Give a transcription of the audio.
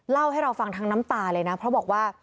เล่าให้เราฟังทั้งน้ำตาเลยนะเพราะบอกว่า